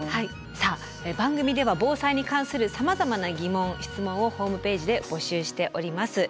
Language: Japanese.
さあ番組では防災に関するさまざまな疑問・質問をホームページで募集しております。